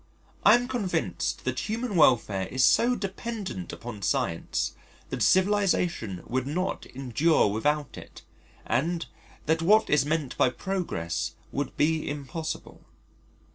I am convinced that human welfare is so dependent upon science that civilisation would not endure without it, and that what is meant by progress would be impossible.